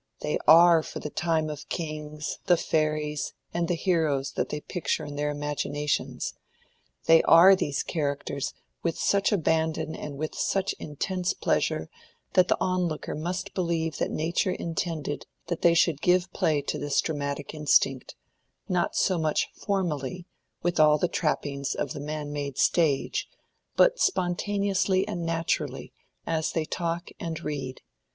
They are for the time the kings, the fairies, and the heroes that they picture in their imaginations. They are these characters with such abandon and with such intense pleasure that the on looker must believe that nature intended that they should give play to this dramatic instinct, not so much formally, with all the trappings of the man made stage, but spontaneously and naturally, as they talk and read.